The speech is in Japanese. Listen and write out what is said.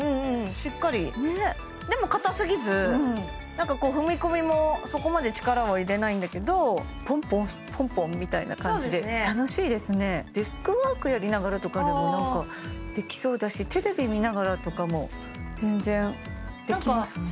しっかりねえでもかたすぎずなんかこう踏み込みもそこまで力は入れないんだけどポンポンポンポンみたいな感じでデスクワークやりながらとかでもできそうだしテレビ見ながらとかも全然できますね